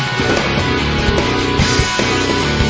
ดีดีดีดี